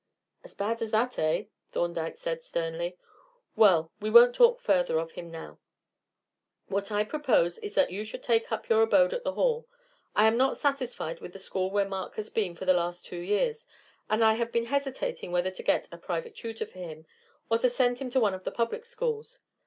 "As bad as that, eh?" Thorndyke said sternly. "Well, we won't talk further of him now; what I propose is that you should take up your abode at the Hall. I am not satisfied with the school where Mark has been for the last two years, and I have been hesitating whether to get a private tutor for him or to send him to one of the public schools.